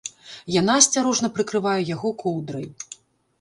Яна асцярожна прыкрывае яго коўдрай.